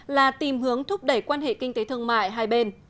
là tìm hướng thúc đẩy quan hệ kinh tế thương mại hai bên